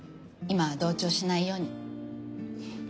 今は同調しないように。